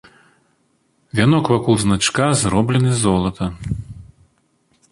Вянок вакол значка зроблены з золата.